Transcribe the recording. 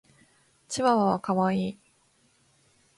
チワワは可愛い。